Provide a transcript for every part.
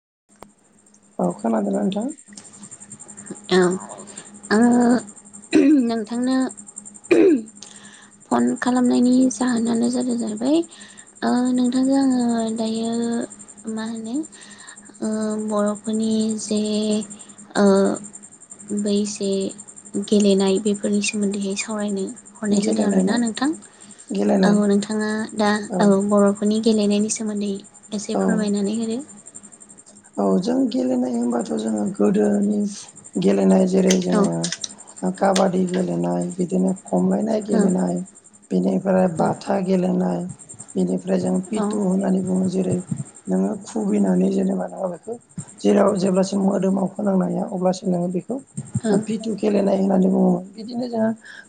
[inaudible] औ खोनादों ना नोंथां औ आङो नोंथांनो फन खालामनायनि जाहोनानो जादों जाहैबाय ओ नोंथांजों आङो दायो ओ मा होनो ओ बर'फोरनि जे ओ बैसे गेलेनाय बेफोरनि सोमोन्दै सावरायनो हरनाय जादों गेलेनाय ना आरोना नोंथां गेलेनाय औ नोंथाङा दा औ बर'फोरनि गेलेनायनि सोमोन्दै एसे औ फोरमायनानै होदो औ जों गेलेनाय होनबाथ' जोङो गोदोनि गेलेनाय जेरै औ जोङो काबादि गेलेनाय बिदिनो खमलायनाय औ गेलेनाय बेनिफ्राय बाथा गेलेनाय बेनिफ्राय ओमफ्राय जों औ पिटु होननानै बुङो जेरै नोङो खुबैनानै जेनेबा जेराव जेब्लासिम मोदोमाव फोनांनो हाया अब्लासिम नोङो बे औ पिथु गेलेनाय होननानै बुङो बिदिनो जोङो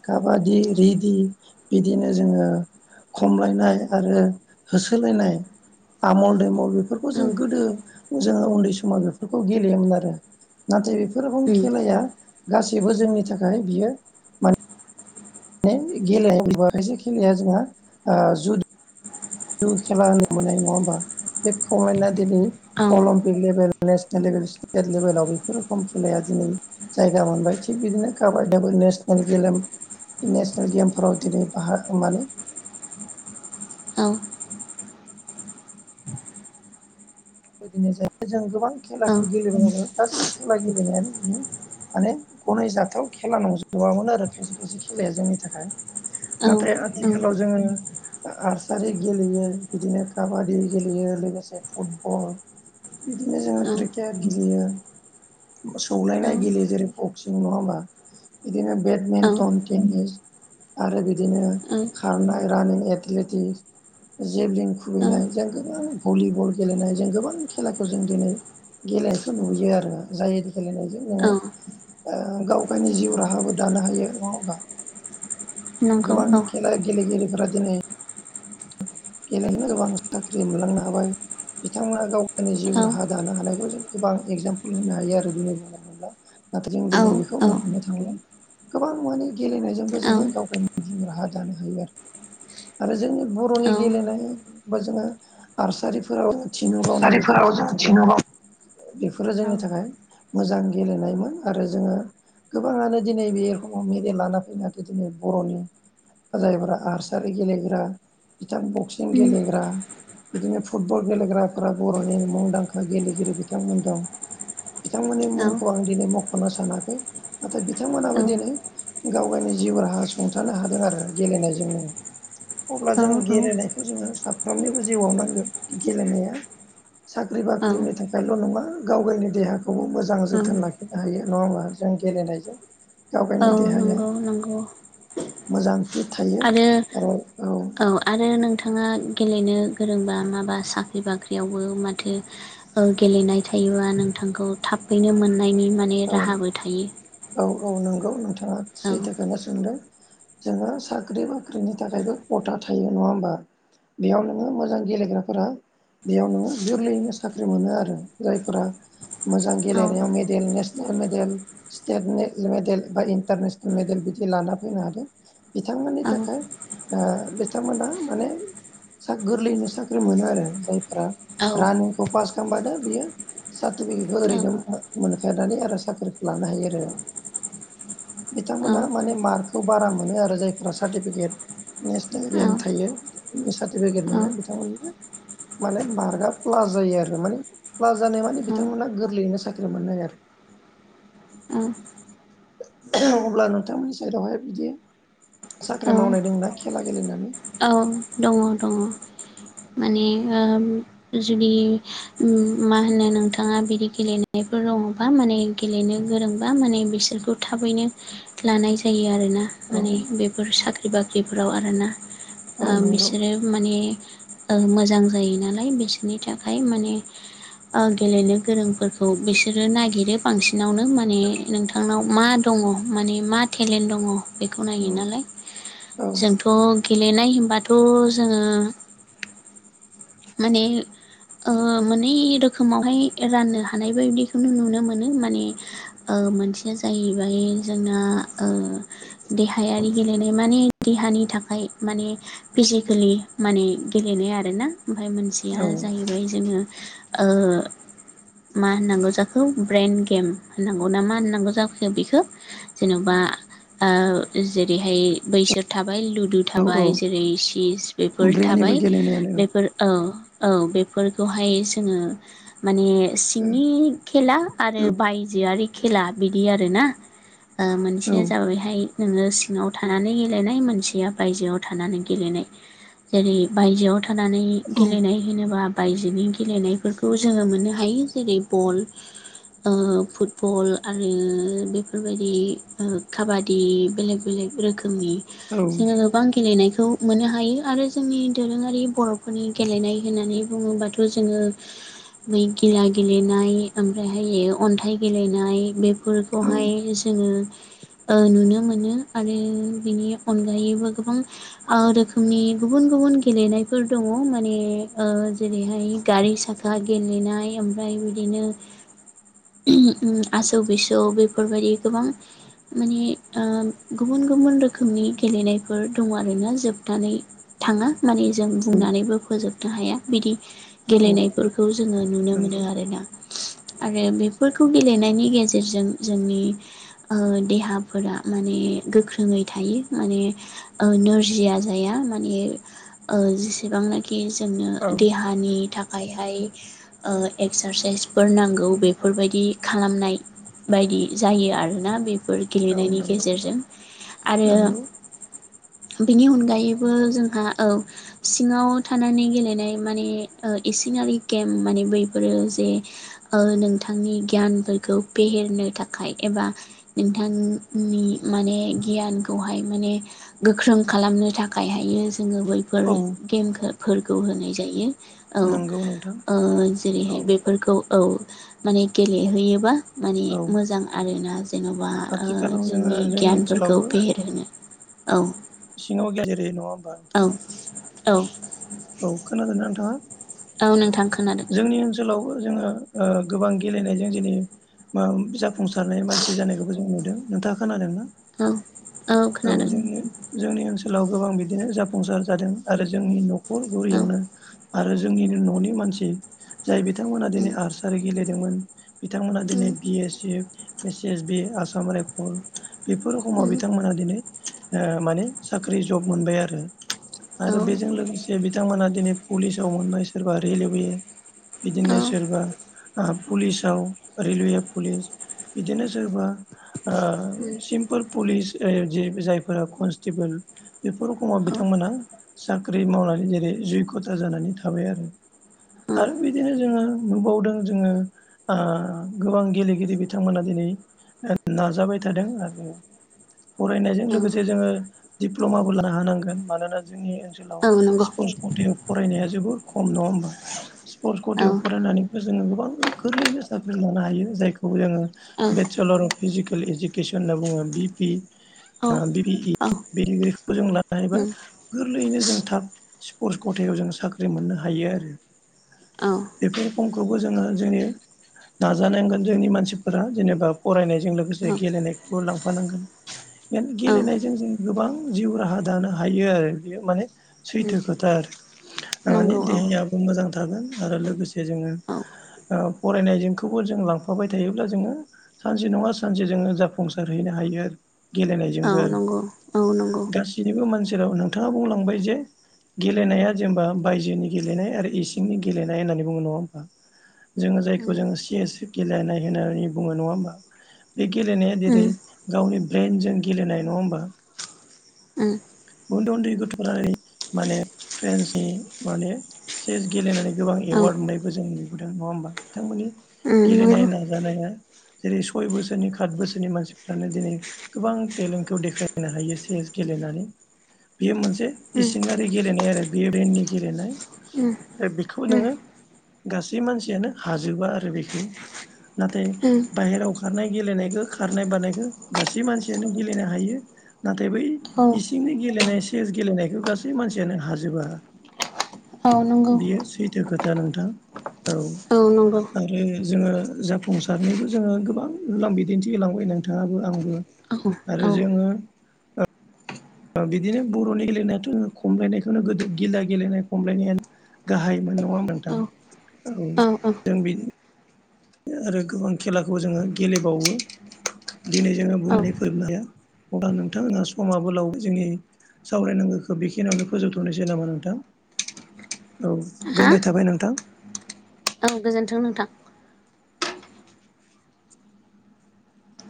काबादि रेदि बिदिनो जोङो खमलायनाय आरो होसोलायनाय आमल दैमल बेफोरखौ औ जों गोदो जोङो उनदै समाव बेफोरखौ गेलेयोमोन आरो नाथाय बेफोर रोखोम खेलाया गासैबो जोंनि थाखाय बियो माने ने गेलेनाय माायसे खेलाया जोंहा ओ जुदा जि [unintelligible] खेला होनो मोननाय नङा होमबा बे खमायना [unintelligible] दिनै औ Olympic level national level state लेभेलाव बेफोर रोखोम खेलाया जों जायगा मोनबाय थिग बिदिनो काबादियाबो नेसनेल गेम नेसनेल गेमफोराव दिनै बाहा माने औ दिनै जायो जों गोबां औ खेलाखौ गेलेबाबो गासै खेला गेलेनायानो दिनै माने गनायजाथाव खेला नंजोबामोन आरो खायसे खायसे खेलाया जोंनि थाखाय नाथाय आथिखालाव जोङो आसारि गेलेयो बिदिनो काबादि गेलेयो यो लोगोसे फुटबल बिदिनो औ जोङो क्रिकेट गेलेयो सौलायनाय गेलेयो जेरै बक्सिं नङा होमबा बिदिनो औ बेडमेनथन टिनिस आरो बिदिनो औ खारनाय रानिं एथलिटिक्स जेबलिं औ खुबैनाय जों गोबां भलिबल गेलेनाय जों गोबां खेलाखौ जों दिनै गेलेनायखौ नुयो आरो जाय गेलेनायजों ओ औ नोङो गाव गायनि जिउ राहाबो दा हायो नङा होनबा नंगौ गोबां औ खेला गेलेगिरिफोरा दिनै गेलेनो गोबां साख्रि मोनलांनो हाबाय बिथांमोना गाव गावनि औ जिउ राहा दानो हानायखौ जों गोबां एगजामपोल होनो हायो आरो दिनै बुंन थोब्ला नाथाय जों औ दिनै बेखौ औ बुंहरनो थांला गोबां माने गेलेनायजोंबो औ जोङो गाव गावनि जिं राहा दानो हायो आरो आरो जोंनि बर'नि औ गेलेनाय बा जोङो आबसारिफोराव थिनु गावनो बेफोरो जारिफोराव जोंनि जों थाखाय थिनहरबाव बेफोरो औ जोंनि थाखाय मोजां गेलेनायमोन आरो जोङो गोबाङानो दिनै बे रखमाव मेडेल लाना फैनो हादों दिनै बर'नि जायफोरा आबसारि गेलेग्रा बिथां बक्सिं गेलेग्रा बिदिनो फुटबल गेलेग्राफोरा बर'नि मुंदांखा गेलेगिरि बिथांमोन दं बिथांमोननि औ मुंखौ आं दिनै मख'नो सानाखै नाथाय औ बिथांमोनाबो दिनै गाव गावनि जिउ राहा सुंथानो हादों आरो गेलेनायजोंनो अब्ला औ जों गेलेनायखौ जोङो साफ्रोमनिबो जिउआव नांगोन गेलेनाया साख्रि बाख्रिनि थाखायल' नङा गाव गावनि देहाखौबो मोजां औ जोथोन लाखिनो हायो नङा होमबा जों गेलेनायजों गाव औ गायनि देहाया नंगौ नंगौ मोजां फिट थायो आरो औ आरो नोंथाङा गेलेनो गोरोंबा माबा साख्रि बाख्रियावबो माथो ओ गेलेनाय थायोबा नोंथांखौ थाबैनो मोननायनि माने औ राहाबो थायो औ औ नंगौ नोंथाङा औ सैथोखौनो सोंदों जोङो साख्रि बाख्रिनि थाखायबो ख'था थायो नङा होमबा बेयाव नोङो मोजां गेलेग्राफोरा बेयाव नोङो गोरलैयैनो साख्रि मोनो आरो जायफोरा मोजां औ गेलेनायाव मेडेल नेसनेल मेल स्टेट मेडेल बा इन्टारनेसनेल मेडेल बिदि लाना फैनो हादों बिथां औ ओ बिथांमोनहा माने गोरलैयैनो साख्रि मोनो आरो जायफोरा औ रानिंखौ पास खालामबानो बियो सार्टिफिकेटखौ औ ओरैनो मोनखाया दानि आरो साख्रिखौ लानो हायो आरो बिथांमोनहा माने मार्कखौ बारा मोनो आरो जायफोरा सार्टिफिकेट नेसनेल औ गेम थायो सार्टिफिकेट औ मोनो बिथांमोननिया माने मारकआ प्लास जायो आरो माने प्लास जानाय माने बिथांमोना गोरलैयैनो साख्रि मोननो नायो आरो अब्ला नोंथांमोननि साइडआवहाय बिदि औ साख्रि मावनाय दंना खेला गेलेनानै औ दङ दङ माने ओ जुदि मा होनो नोंथाङा बिदि गेलेनायफोर दङ'बा माने गेलेनो गोरोंबा माने बिसोरखौ थाबैनो लानाय जायो आरो आरोना औ माने बेफोर साख्रि बाख्रिफोराव आरोना औ नंगौ बिसोरो माने मोजां जायो नालाय बिसोरनि थाखाय माने गेलेनो गोरोंफोरखौ बिसोरो नागिरो बांसिनावनो माने नोंथांनाव मा दं दङ माने मा टेलेन्ट दङ बेखौ नायो औ नालाय औ जोंथ' गेलेनाय होनबाथ' जोङो माने मोनै रोखोमावहाय राननो हानाय बायदिखौनो नुनो मोनो माने मोनसेया जाहैबाय जोंना देहायारि गेलेनाय माने देहानि थाखाय माने फिजिकेलि माने गेलेनाय आरोना ओमफ्राय मोनसेया औ जाहैबाय जोङो ओ मा होननांगौ जाखो ब्रइन गेम होननांगौ ना मा होननांगौ जाखो बेखौ जेन'बा जेरैहाय बैसोर थाबाय लुदु औ औ थाबाय जेरै चिज बेफोर ब्रेननिबो थाबाय गेलेनायानो बेफोर औ औ बेफोरखौहाय जोङो माने सिंनि खेला आरो औ बायजोआरि खेला बिदि आरोना औ मोनसेया जाबायहाय नोङो सिङाव थानानै गेलेनाय मोनसेया बायजोआव थानानै गेलेनाय जेरै बायजोआव थानानै गेलेनाय होनोबा बायजोनि गेलेनायफोरखौ जोङो मोननो हायो जेरै बल फुटबल आरो बेफोरबायदि काबादि बेलेग बेलेग रोखोम नि औ जोङो गोबां गेलेनायखौ मोननो हायो आरो जोंनि दोरोङारि बर' नि गेलेनाय होननानै बुङोबाथ' जोङो मै गिला गेलेनाय ओमफ्रायहाय अनथाइ गेलेनाय औ बेफोरखौहाय जोङो नुनो मोनो आरो बिनि अनगायैबो गोबां रोखोमनि गुबुन गुबुन गेलेनायफोर दङ माने जेरैहाय गारि साखा गेलेनाय ओमफ्राय बिदिनो आसौ बिसौ बेफोरबायदि गोबां माने गुबुन गुबुन रोखोमनि गेलेनायफोर दङ आरोना जोबनानै थाङा माने जा बुंनानैबो फोजोबनो हाया बिदि औ गेलेनायफोरखौ जोङो नुनो मोनो नंगौ आरोना आरो बेफोरखौ गेलेनायनि गेजेरजों जोंनि देहाफोरा माने गोख्रोङै थायो माने नोरजिया जाया माने जेसेबांनाखि औ जोंनो देहानि थाखाय यहाय एक्सारसाइसफोर नांगौ बेफोरबायदि खालामनाय बायदि जायो आरोना बे फोर औ गेलेनायनि नंगौ गेजेरजों आरो नंगौ बेनि अनगायैबो जोंहा औ सिङाव थानानै गेलेनाय माने इसिंयारि गेम माने बैफोरो जे नोंथांनि गियानफोरखौ फेहेरनो थाखाय एबा नोंथांनि माने गियानखौहाय माने गोख्रों खालामनो थाखाय खाय हायो जोङो बैफोर औ गेमफोरखौ होनाय जायो नंगौ नोंथां औ जेरैहाय औ बेफोरखौ औ माने गेलेहैयोबा माने औ मोजां आरोना जेन'बा ओ आथिखालाव जोङो जोंनि गियानफोरखौ ओनसोलावबो फेहेर होनो सिङाव गेलेनाय जायो नङा होनबा औ औ अ औ नोंथां खोनादों जोङो गोबां गेलेनायजों जेरै जाफुंसारनाय मानसि जानायखौबो जों नुदों नोंथाङा खोनादों ना औ औ जों जोंनि ओनसोल ओनसोलाव गोबां बिदिनो जाफुंसार जादों आरो जोंनि न'खर औ गुरियावनो आरो जोंनि न'नि मानसि जाय बिथांमोना दिनै उम आर्सारि गेलेदोंमोन। बिथांमोना उम दिनै B S F S S B Assam rifle बेफोर रखमाव उम बिथांमोनहा दिनै माने ओ साख्रि जब मोनबाय आरो औ आरो बेजों लोगोसे बिथांमोना दिनै पुलिसाव मोनबाय सोरबा रेलवे औ बिदिनो सोरबा ओ पुलिसाव रेलवे पुलिस बिदिनो सोरबा ओ उम सिम्पोल पुलिस जायफोरा कनस्टेबोल बेफोर रखमाव औ बिथांमोनहा साख्रि मावनानै जेरै जैग्यथा जानानै थाबाय आरो। औ आरो बिदिनो जोङो नुबावदों जोङो ओ गोबां गेलेगिरि बिथांमोना दिनै नाजाबाय थादों आरो फरायनायजों औ लोगोसे जोङो दिप्ल'माबो लानो हानांगोन मानोना जोंनि ओनसोलाव औ नंगौ औ स्पर्टस कतायाव फरायनाया जोबोर खम नङा होमबा? स्पर्टस औ कथायाव फरायनानैबो जोङो गोबां गोरलैयैनो साख्रि लानो हायो जायखौ जोङो औ [unintelligible] अफ फिजिकेल इडुकेसन होनना बुङो बि पि ओ बि पि इ औ उम दैदिरगिरिखौ जों लानो हायोबा गोरलैयैनो जों थाब स्पर्टस खथायाव जों साख्रि मोननो हायो आरो औ बेफोर समखौबो जोङो जोंनि नाजानांगोन जोंनि मानसिफोरा जेनेबा फरायनायजों लोगोसे गेलेनायखौबो लांफानांगोन उम गेलेनायजों जों गोबां जिउ राहा दानो हायो आरो बेयो माने सैथो खोथा आरो थारमाने नंगौ औ देहायाबो मोजां थागोन आरो लोगोसे जोङो। औ फरायनायजोंखौबो जों लांफाबाय थायोब्ला जोङो सानसे नङा सानसे जोङो जाफुंसार हैनो हा यो औ गेलेनायजोंबो आरो नंगौ औ नंगौ गासैनिबो मानसिनाव नोंथाङा बुंलांबाय जे गेलेनाया जेनेबा बायजोनि गेलेनाय आरो इसिंनि गेलेनाय होननानै बुङो नङा होमबा जोङो जायखौ उम जोङो चियेस गेलेनाय होननानै बुङो नङा होमबा बे गेलेनाया जेरै उम गावनि ब्रइेनजों गेलेनाय नङा होमबा उम उन्दै उन्दै गथ' [unintelligible] नानै माने फ्रेन्सनि माने एसे गेलेनानै गोबां औ एवार्ड उम मोननायबो जों नुबोदों नङा होमबा बिथांमोननि नंगौ गेलनाय उम नाजानाय जेरै सय बोसोरनि खात बोसोरनि मानसिफ्रानो दिनै गोबां टेलेन्टखौ देखायनो हायो चेस गेलेनानै बेयो मोनसे इसिङारि गेलेनाय आरो बेबेननि गेलेनाय उम आरो बेखौ उम नोङो गासै मानसियानो हाजोबा आरो बेखौ नाथाय उम बाहेरायाव खारनाय गेलेनायखौ खारनाय बारानायखौ गासै मानसियानो गेलेनो हायो। नाथाय बै औ इसिं गेलेनाय सेस गेलेनायखौ गासै मानसियानो हाजोबा औ नंगौ बेयो सैथो खोथा नोंथां औ आरो जोङो जाफुंसारनिबो जोङो गोबां होलां बिदिन्थि होलांबाय नोंथाङाबो आंबो औ आरो औ औ जोङो [unintelligible] बिदिनो बर'नि गेलेनायाथ' खमलायनायखौनो गोदो गिला गेलेनाय खमलायनायानो गाहायमोन नङा नोंथां औ जों बि आरो गोबां खेलाखौ जोङो गेलेबावो दिनै जोङो औ औ बुंनानै फोरमायनो हाया अब्ला नोंथांमोना समाबो लावदो जोंनि सावरायनांगौखो बेखिनियावनो फोजोबथ'नोसै नामा नोंथां? औ हा गोजोननाय थाबाय नोंथां। औ गोजोन्थों नोंथां।